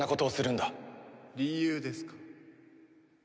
理由ですか。